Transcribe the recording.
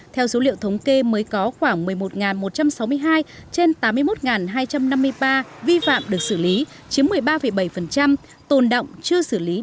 theo dữ liệu thống kê mới có khoảng một mươi một một trăm sáu mươi hai trên tám mươi một hai trăm năm mươi ba vi phạm được xử lý